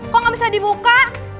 kok gak bisa dibuka